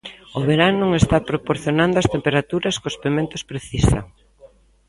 O verán non está proporcionando as temperaturas que os pementos precisan.